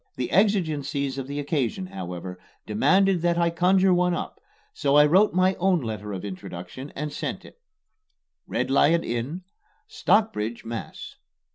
The exigencies of the occasion, however, demanded that I conjure one up, so I wrote my own letter of introduction and sent it: RED LION INN, STOCKBRIDGE, MASS.